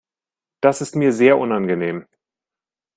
Das ist mir sehr unangenehm.